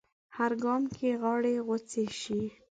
هر ګام کې غاړې غوڅې شي